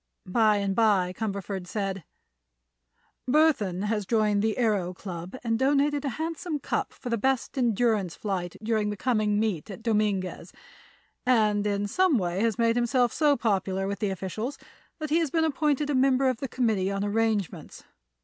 By and by Cumberford said: "Burthon has joined the Aëro Club, has donated a handsome cup for the best endurance flight during the coming meet at Dominguez, and in some way has made himself so popular with the officials that he has been appointed a member of the committee on arrangements.